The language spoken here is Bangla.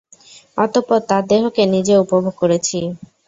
অতঃপর তার দেহকে নিজে উপভোগ করেছি।